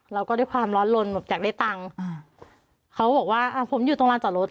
แล้วก็ด้วยความร้อนลนแบบอยากได้ตังค์อ่าเขาบอกว่าอ่าผมอยู่ตรงลานจอดรถ